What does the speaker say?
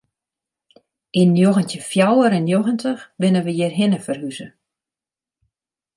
Yn njoggentjin fjouwer en njoggentich binne we hjirhinne ferhûze.